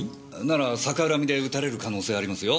なら逆恨みで撃たれる可能性ありますよ。